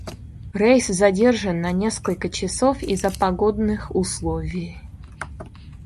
Рейс задержен на несколько часов из-за погодных условий.